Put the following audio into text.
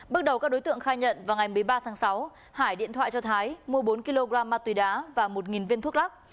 bước đầu các đối tượng khai nhận vào ngày một mươi ba tháng sáu hải điện thoại cho thái mua bốn kg ma túy đá và một viên thuốc lắc